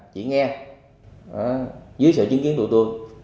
chỉ nghe dưới sự chứng kiến tụi tôi